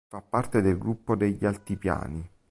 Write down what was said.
Fa parte del Gruppo degli Altipiani.